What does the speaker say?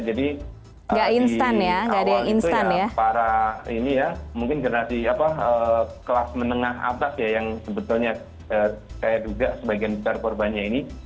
jadi di awal itu ya para ini ya mungkin generasi kelas menengah atas ya yang sebetulnya saya duga sebagian besar korbannya ini